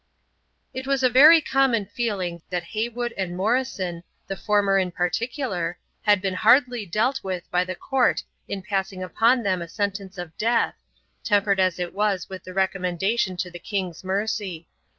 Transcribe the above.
It was a very common feeling that Heywood and Morrison, the former in particular, had been hardly dealt with by the Court in passing upon them a sentence of death, tempered as it was with the recommendation to the king's mercy.